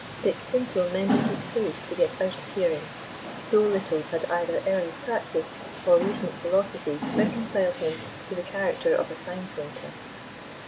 Dick Tinto mended his pace to get out of hearing, so little had either early practice or recent philosophy reconciled him to the character of a sign painter.